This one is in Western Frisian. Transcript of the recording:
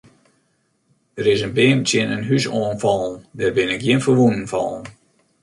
Der is in beam tsjin in hús oan fallen, der binne gjin ferwûnen fallen.